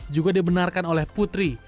juga dibenarkan oleh putri